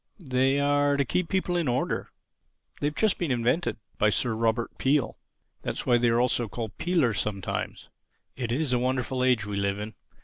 They are to keep people in order. They've just been invented—by Sir Robert Peel. That's why they are also called 'peelers' sometimes. It is a wonderful age we live in.